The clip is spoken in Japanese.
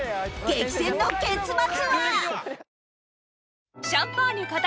激戦の結末は！？